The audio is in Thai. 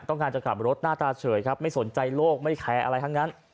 การจะขับรถหน้าตาเฉยครับไม่สนใจโลกไม่แคร์อะไรทั้งนั้น